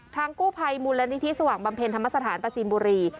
ทางกู้ภัยมูลละนิทิสว่างบำเพลงธรรมสถานประชิงบุรี